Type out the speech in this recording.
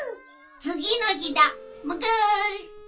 つぎのひだもぐ。